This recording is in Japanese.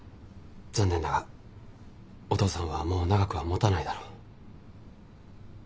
残念だがお父さんはもう長くはもたないだろう。